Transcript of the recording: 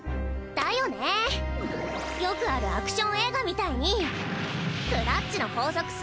だよねよくあるアクション映画みたいにクラっちの法則